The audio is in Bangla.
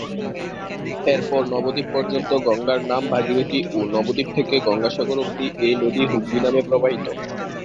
এরপর নবদ্বীপ পর্যন্ত গঙ্গার নাম ভাগীরথী ও নবদ্বীপ থেকে গঙ্গাসাগর অবধি এই নদী হুগলি নামে প্রবাহিত।